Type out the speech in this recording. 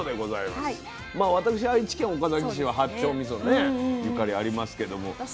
まあ私愛知県岡崎市は八丁みそねゆかりありますけども。